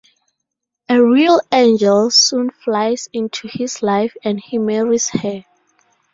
A real angel soon flies into his life, and he marries her.